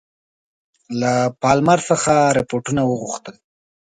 له پالمر څخه رپوټونه وغوښتل.